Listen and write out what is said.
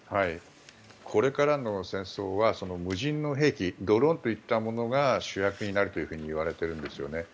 これからの戦争は無人の兵器ドローンといったものが主役になるというふうにいわれているんですよね。